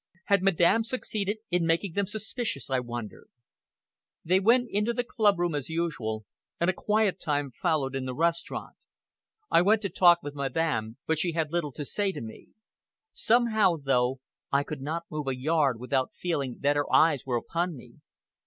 Had Madame succeeded in making them suspicious, I wondered. They went into the club room as usual, and a quiet time followed in the restaurant. I went to talk with Madame, but she had little to say to me. Somehow, though, I could not move a yard without feeling that her eyes were upon me.